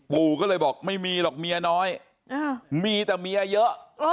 ปู่ก็เลยบอกไม่มีหรอกเมียน้อยมีแต่เมียเยอะ